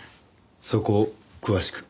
そこを詳しく。